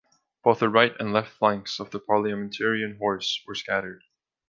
Both the right and left flanks of the Parliamentarian horse were scattered.